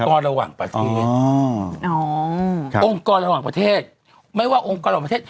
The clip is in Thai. โอมกรระหว่างประเทศ